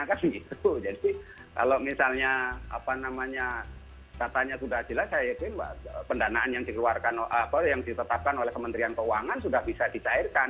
jadi kalau misalnya katanya sudah jelas pendanaan yang ditetapkan oleh kementerian keuangan sudah bisa dicairkan